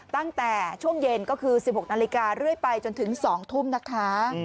ตั้งแต่ช่วงเย็นก็คือ๑๖นาฬิกาเรื่อยไปจนถึง๒ทุ่มนะคะ